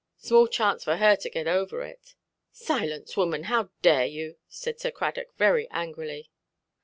Small chance for her to git over it". "Silence, woman, how dare you"? said Sir Cradock, very angrily.